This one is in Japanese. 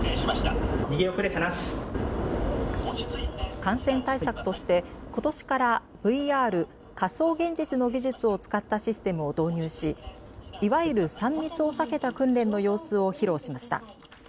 感染対策として、ことしからＶＲ・仮想現実の技術を使ったシステムを導入しいわゆる３密を避けた訓練の様子を披露しました。